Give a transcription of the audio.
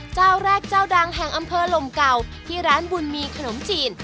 เจ้าแรกเจ้าดังแห่งอำเภอลมเก่าที่ร้านบุญมีขนมจีน